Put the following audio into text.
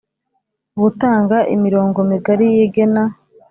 Gutanga imirongo migari y igena